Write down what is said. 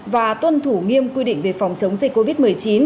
và tuân thủ nghiêm quy định về phòng chống dịch covid một mươi chín